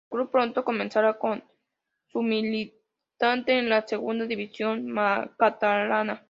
El club pronto comenzará su militancia en la Segunda División Catalana.